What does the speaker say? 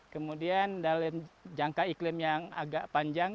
kemudian dalam jangka iklim yang agak panjang